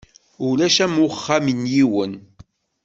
Ulac am uxxam n yiwen.